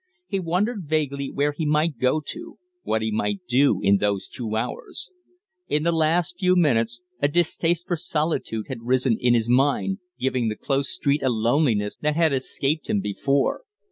He wondered vaguely where he might go to what he might do in those two hours? In the last few minutes a distaste for solitude had risen in his mind, giving the close street a loneliness that had escaped him before.